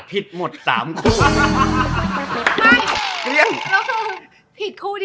ผิดหมด๓คู่